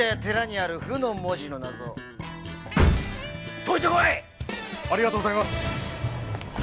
ありがとうございます